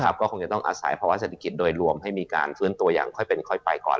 ก็คงจะต้องอาศัยภาวะเศรษฐกิจโดยรวมให้มีการฟื้นตัวอย่างค่อยเป็นค่อยไปก่อน